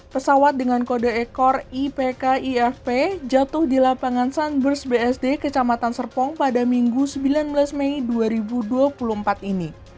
pesawat dengan kode ekor ipkifp jatuh di lapangan sunburst bsd kecamatan serpong pada minggu sembilan belas mei dua ribu dua puluh empat ini